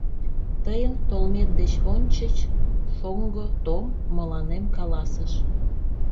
Тыйын толмет деч ончыч Шоҥго Том мыланем каласыш.